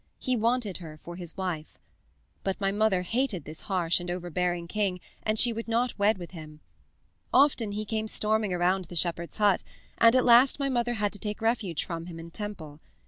He wanted her for his wife. But my mother hated this harsh and overbearing king, and she would not wed with him. Often he came storming around the shepherd's hut, and at last my mother had to take refuge from him in a temple.